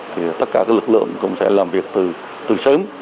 thì tất cả các lực lượng cũng sẽ làm việc từ sớm